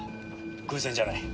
偶然じゃない。